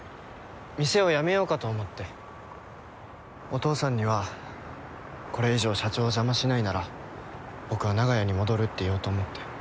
お父さんにはこれ以上社長を邪魔しないなら僕は長屋に戻るって言おうと思って。